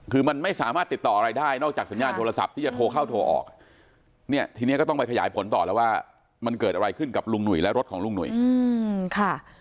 คือมันไม่สามารถติดต่ออะไรได้นอกจากสัญญาณโทรศัพท์ที่จะโทรเข้าโทรออก